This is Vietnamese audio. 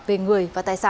về người và tài sản